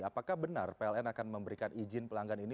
apakah benar pln akan memberikan izin pelanggan ini